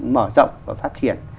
mở rộng và phát triển